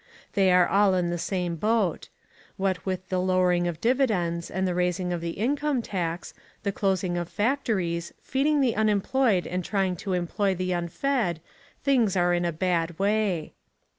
They are all in the same boat. What with the lowering of dividends and the raising of the income tax, the closing of factories, feeding the unemployed and trying to employ the unfed, things are in a bad way.